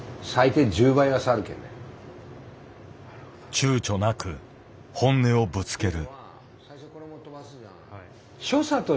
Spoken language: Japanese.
ちゅうちょなく本音をぶつける。